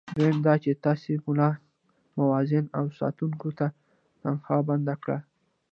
دویم دا چې تاسي ملا، مؤذنانو او ساتونکو ته تنخوا بنده کړه.